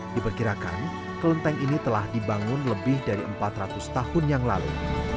diperkirakan kelenteng ini telah dibangun lebih dari empat ratus tahun yang lalu